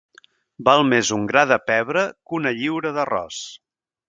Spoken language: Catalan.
Val més un gra de pebre que una lliura d'arròs.